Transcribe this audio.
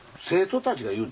生徒たちが。